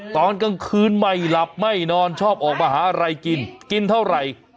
ตอนกลางคืนไม่หลับไม่นอนชอบออกมาหาอะไรกินกินเท่าไหร่